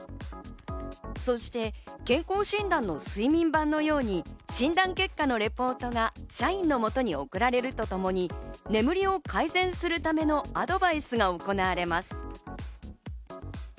そして健康診断の睡眠版のように診断結果のレポートが社員の元に送られるとともに眠りを改善するためのアドバイスが行われます。